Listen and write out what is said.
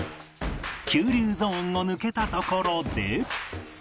急流ゾーンを抜けたところで